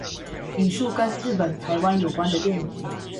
引述跟日本台灣有關係的電影